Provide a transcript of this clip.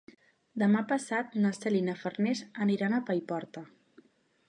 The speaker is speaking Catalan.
Demà passat na Cel i na Farners aniran a Paiporta.